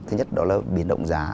thứ nhất đó là biến động giá